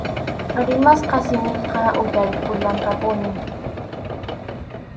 Rimasqa simiqa uyarikullanqapuni.